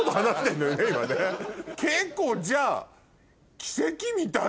結構じゃあ。